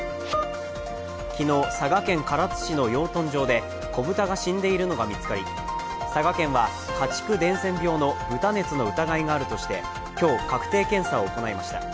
昨日、佐賀県唐津市の養豚場で子豚が死んでいるのが見つかり佐賀県は家畜伝染病の豚熱の疑いがあるとして今日、確定検査を行いました。